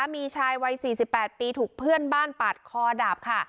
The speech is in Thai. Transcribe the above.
มีชายวัย๔๘ปีถูกเพื่อนบ้านปาดคอดับค่ะ